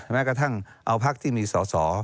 ราคาทั่งเอาพักที่มีส่าสอ